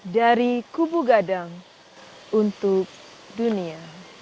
dari kubu gadang untuk dunia